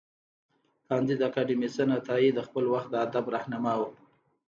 کانديد اکاډميسن عطايي د خپل وخت د ادب رهنما و.